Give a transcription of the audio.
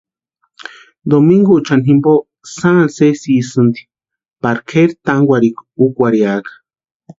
Domiguchani jimpo sáni sésisïnti parika kʼeri tánkwarhikwa úkwarhiaka.